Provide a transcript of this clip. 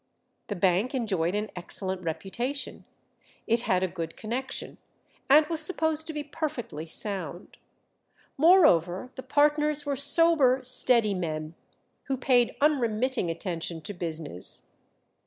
The bank enjoyed an excellent reputation, it had a good connection, and was supposed to be perfectly sound. Moreover, the partners were sober, steady men, who paid unremitting attention to business.